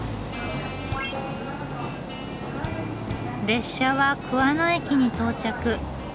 列車は桑野駅に到着。